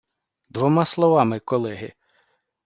Двома словами, колеги!